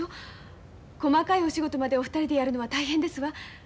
細かいお仕事までお二人でやるのは大変ですわ。